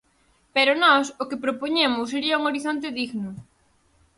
Pero nós o que propoñemos sería un horizonte digno.